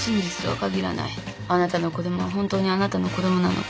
あなたの子供は本当にあなたの子供なのか。